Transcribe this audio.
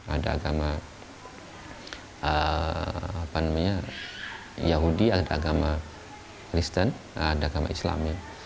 ada agama yahudi ada agama kristen ada agama islam